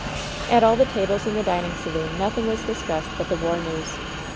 At all the tables in the dining saloon nothing was dis cussed but the war news.